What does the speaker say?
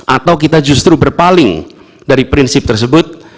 atau kita justru berpaling dari prinsip tersebut